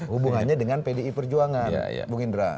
hubungannya dengan pdi perjuangan bung indra